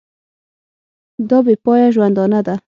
دا بې پایه ژوندانه ده.